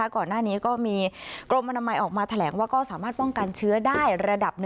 ก่อนหน้านี้ก็มีกรมอนามัยออกมาแถลงว่าก็สามารถป้องกันเชื้อได้ระดับ๑